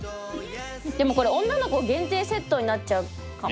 でもこれ女の子限定セットになっちゃうかも。